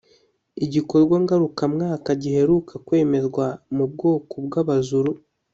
igikorwa ngarukamwaka giheruka kwemezwa mu bwoko bw’aba Zulu